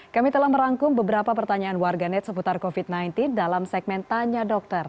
kami telah merangkum beberapa pertanyaan warganet seputar covid sembilan belas dalam segmen tanya dokter